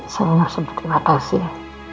saya ingin sempat terima kasih